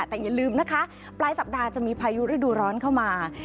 แต่อย่าลืมนะคะปลายสัปดาห์จะมีพายุฤดูร้อนเข้ามา